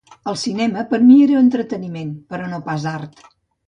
El cinema per a mi era entreteniment, però no pas art.